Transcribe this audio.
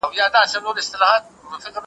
یوه ورځ به یې بېغمه له غپا سو .